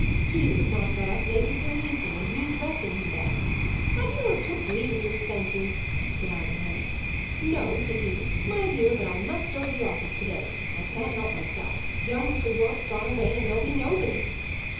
he that has not got up lately till evening, and me dressing him then! 'Have you took leave of your senses?' said I to him. 'No,' said he, 'my dear, but I must go to the office to day: I can't help myself. Young Mr. Yorke's gone away, and there'll be nobody.